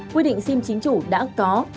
quy định sim chính chủ đã có